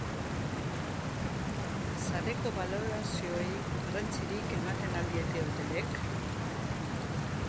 Sareko balorazioei garrantzirik ematen al diete hotelek?